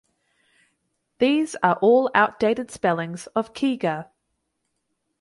These are all outdated spellings of Kiga.